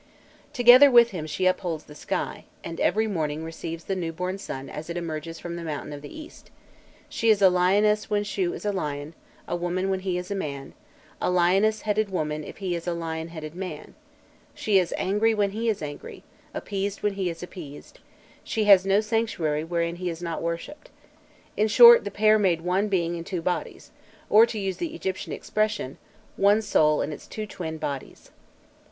Together with him she upholds the sky, and every morning receives the newborn sun as it emerges from the mountain of the east; she is a lioness when Shû is a lion, a woman when he is a man, a lioness headed woman if he is a lion headed man; she is angry when he is angry, appeased when he is appeased; she has no sanctuary wherein he is not worshipped. In short, the pair made one being in two bodies, or, to use the Egyptian expression, "one soul in its two twin bodies."